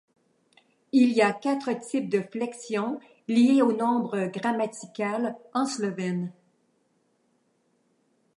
Il y a quatre types de flexion liés au nombre grammatical en slovène.